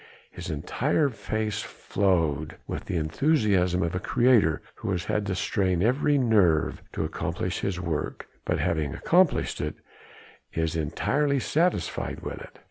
His entire face flowed with the enthusiasm of a creator who has had to strain every nerve to accomplish his work, but having accomplished it, is entirely satisfied with it.